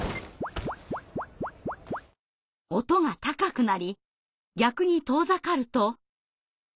音が高くなり逆に遠ざかると。